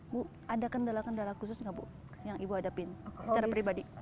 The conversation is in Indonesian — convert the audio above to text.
bu ada kendala kendala khusus nggak bu yang ibu hadapin secara pribadi